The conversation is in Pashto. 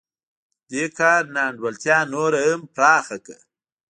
دې کار نا انډولتیا نوره هم پراخه کړه